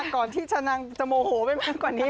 ก่อนที่นางจะโมโหไปมากกว่านี้